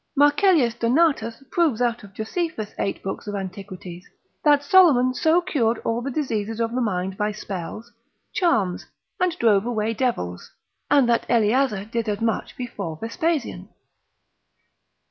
Marcellius Donatus lib. 2. de hist, mir. cap. 1. proves out of Josephus' eight books of antiquities, that Solomon so cured all the diseases of the mind by spells, charms, and drove away devils, and that Eleazer did as much before Vespasian.